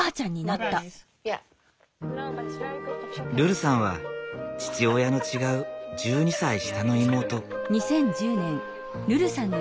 ルルさんは父親の違う１２歳下の妹。